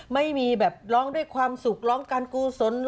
ไม่มีแบบร้องด้วยความสุขร้องการกุศล